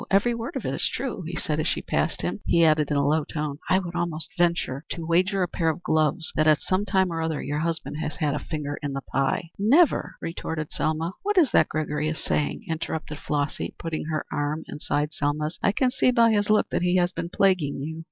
Every word of it is true," he said as she passed him. He added in a low tone "I would almost even venture to wager a pair of gloves that at some time or other your husband has had a finger in the pie." "Never," retorted Selma. "What is that Gregory is saying?" interrupted Flossy, putting her arm inside Selma's. "I can see by his look that he has been plaguing you."